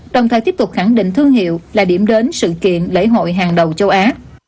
đồng thời tiếp tục khẳng định thương hiệu là điểm đến sự kiện lễ hội hàng đầu châu á